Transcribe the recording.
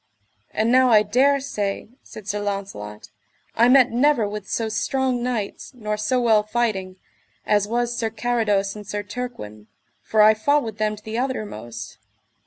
And now I dare say, said Sir Launcelot, I met never with so strong knights, nor so well fighting, as was Sir Carados and Sir Turquin, for I fought with them to the uttermost.